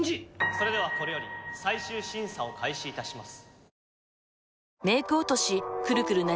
それではこれより最終審査を開始いたします